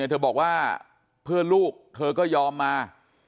เธอบอกว่าเพื่อนลูกเธอก็ยอมมา